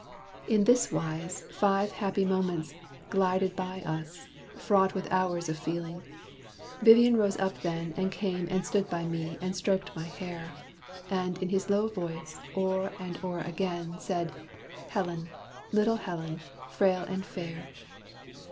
In this wise Five happy moments glided by us, fraught With hours of feeling. Vivian rose up then, And came and stood by me, and stroked my hair. And, in his low voice, o'er and o'er again, Said, 'Helen, little Helen, frail and fair.'